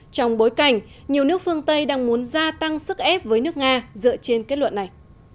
trong bối cảnh nhiều nước phương tây đang muốn gia tăng sức ép với nước nga dựa trên kết luận này